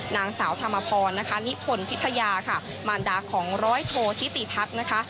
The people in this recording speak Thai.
นางสาวธรรมพรนะคะนิพลพิทยาค่ะมารดาของร้อยโทธิติทัศน์นะคะ